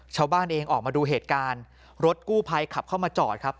ชาวบ้านเองออกมาดูเหตุการณ์รถกู้ภัยขับเข้ามาจอดครับ